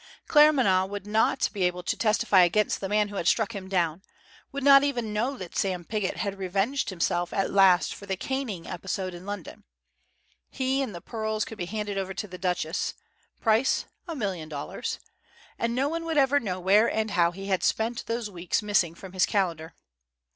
Claremanagh would not be able to testify against the man who had struck him down would not even know that Sam Pigott had revenged himself at last for the caning episode in London. He and the pearls could be handed over to the Duchess; price, a million dollars; and no one would ever know where and how he had spent those weeks missing from his calendar.